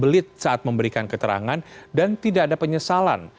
belit saat memberikan keterangan dan tidak ada penyesalan